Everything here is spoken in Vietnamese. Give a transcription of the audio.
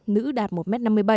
nữ đạt một m năm mươi bảy